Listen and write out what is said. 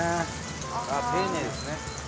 あっ丁寧ですね。